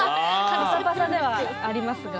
パサパサではありますが。